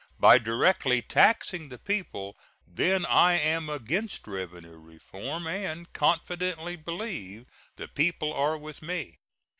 by directly taxing the people, then I am against revenue reform, and confidently believe the people are with me.